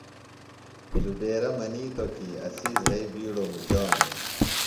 زبیرہ منِیتوۡ کی اسی زھئی بِیڈوۡ مُچانُوۡ۔